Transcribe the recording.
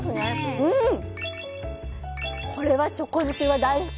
うん、これはチョコ好きは大好き。